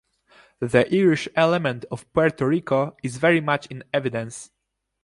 The Irish element of Puerto Rico is very much in evidence.